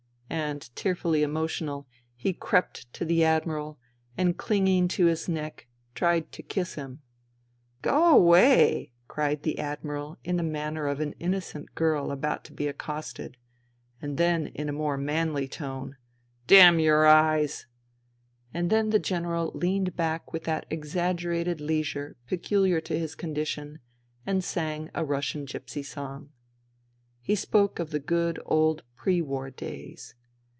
And, tearfully emotional, he crept to the Admiral, and clinging to his neck tried to kiss him. " Go away !" cried the Admiral in the manner of an innocent young girl about to be accosted ; and then in a more manly tone :" Damn your eyes !" And then the General leaned back with that exaggerated leisure peculiar to his condition, and sang a Russian gipsy song. He spoke of the good old pre war days.